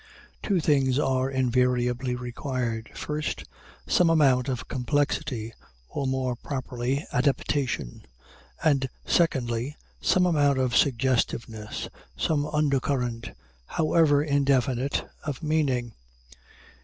Two things are invariably required first, some amount of complexity, or more properly, adaptation; and, secondly, some amount of suggestiveness some undercurrent, however indefinite, of meaning.